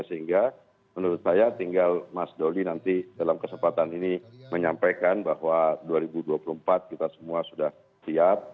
sehingga menurut saya tinggal mas doli nanti dalam kesempatan ini menyampaikan bahwa dua ribu dua puluh empat kita semua sudah siap